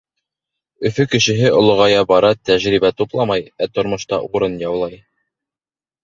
Өфө кешеһе олоғая бара тәжрибә тупламай, ә тормошта урын яулай.